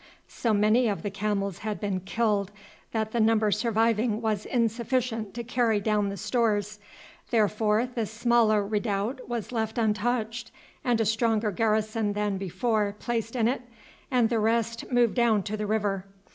So many of the camels had been killed that the number surviving was insufficient to carry down the stores, therefore the smaller redoubt was left untouched and a stronger garrison than before placed in it, and the rest moved down to the river.